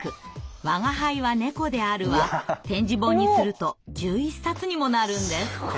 「吾輩は猫である」は点字本にすると１１冊にもなるんです。